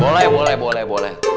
boleh boleh boleh boleh